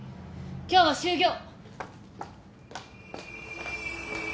今日は終業！